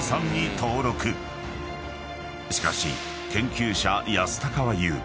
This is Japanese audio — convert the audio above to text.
［しかし研究者安高は言う］